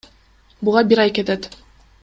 Буга бир ай кетет.